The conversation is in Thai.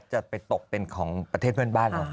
จะไปตกเป็นของประเทศเพื่อนบ้านเรา